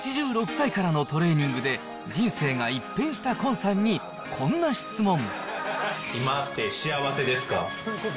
８６歳からのトレーニングで、人生が一変した崑さんに、こんな質問。